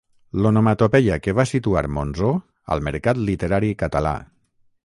L'onomatopeia que va situar Monzó al mercat literari català.